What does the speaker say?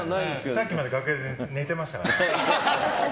さっきまで楽屋で寝てましたから。